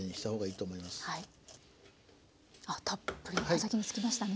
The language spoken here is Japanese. たっぷり刃先に付きましたね。